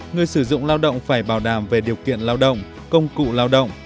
người sử dụng lao động phải bảo đảm về điều kiện lao động công cụ lao động